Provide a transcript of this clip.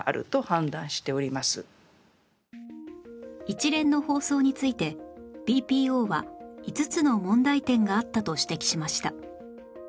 一連の放送について ＢＰＯ は５つの問題点があったと指摘しました